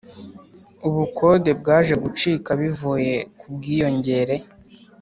ubukonde bwaje gucika bivuye ku bwiyongere